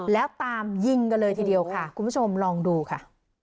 แล้วตามยิงกันเลยทีเดียวค่ะคุณผู้ชมลองดูค่ะ